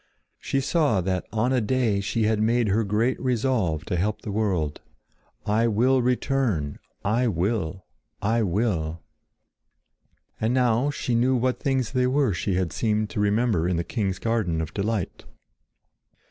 She saw that on a day she had made her great resolve to help the world. "I will return! I will! I will!" And now she knew what things they were she had seemed to remember in the king's garden of delight.